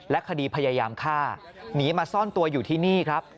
คดีพยายามฆ่าหนีมาซ่อนตัวอยู่ที่นี่ครับ